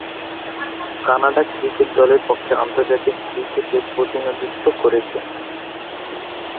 Canada cricket দলের পক্ষে আন্তর্জাতিক ক্রিকেটে প্রতিনিধিত্ব করেছেন।